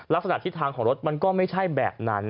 ทิศทางของรถมันก็ไม่ใช่แบบนั้น